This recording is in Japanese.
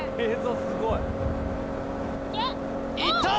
いった！